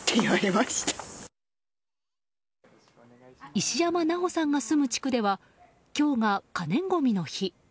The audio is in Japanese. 石山奈帆さんが住む地区では今日が可燃ごみの日。